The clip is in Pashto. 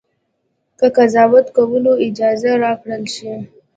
که قضاوت کولو اجازه راکړه شي.